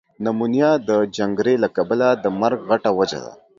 نمونیا ده جنګری له کبله ده مرګ غټه وجه ده۔